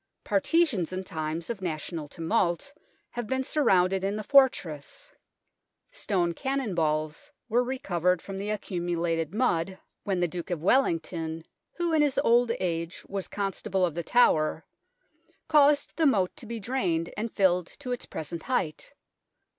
Partisans in times of national tumult have been surrounded in the fortress. Stone cannon balls were recovered from the accumulated mud when the Duke of Welling ENTRANCE TOWERS 157 ton, who in his old age was Constable of The Tower, caused the moat to be drained and filled to its present height.